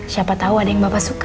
siapa tahu ada yang bapak suka